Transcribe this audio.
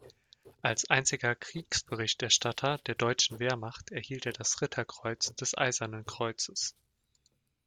Als einziger Kriegsberichterstatter der deutschen Wehrmacht erhielt er das Ritterkreuz des Eisernen Kreuzes.